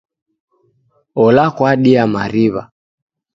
Ola kwadia mari'wa.